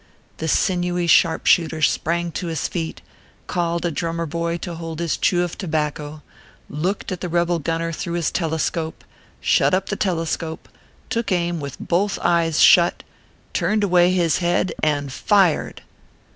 The sinewy sharpshooter sprang to his feet, called a drummer boy to hold his chew of tobacco, looked at the rebel gunner through his telescope, shut up the telescope, took aim with both eyes shut, turned away his head, and fired